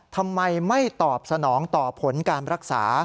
ทำไมไม่ตอบสนองต่อผลการรักษา